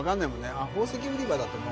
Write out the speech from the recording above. あ宝石売り場だと思う